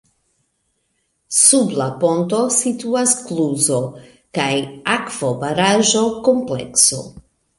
Sub la ponto situas kluzo- kaj akvobaraĵo komplekso.